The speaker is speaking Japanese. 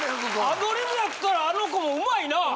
アドリブやったらあの子も上手いな！